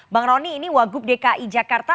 bang roni ini wagub dki jakarta